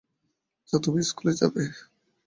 আচ্ছা, তুমি স্কুলে যাবে।